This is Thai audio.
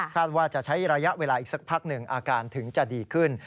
ว่าจะใช้ระยะเวลาอีกสักพักหนึ่งอาการถึงจะดีขึ้น